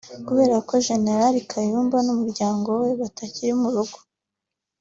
kubera ko General Kayumba n’umuryango we batari mu rugo